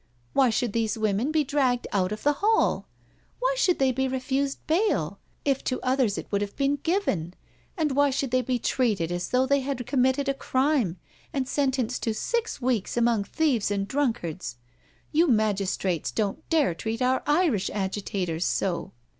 Why should these women be dragged out of the hall? Why should they be re fused bail, if to others it would have been given, and why should they be treated as though they had com mitted a crime and sentenced to six weeks among thieves and drunkards? You magistrates don't dare treat our Irish agitators so.